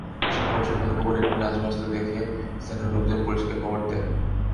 শুক্রবার সকালে পুকুরে একটি লাশ ভাসতে দেখে স্থানীয় লোকজন পুলিশকে খবর দেয়।